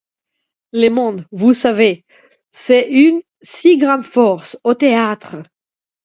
Le monde, vous savez, c'est une si grande force, au théâtre.